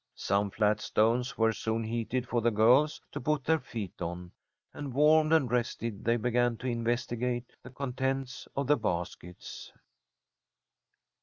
Some flat stones were soon heated for the girls to put their feet on, and, warmed and rested, they began to investigate the contents of the baskets.